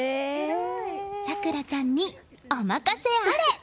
さくらちゃんに、お任せあれ！